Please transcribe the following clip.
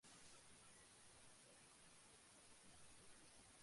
ওরা যে বলে ডাকাতের দল– আমি একলা।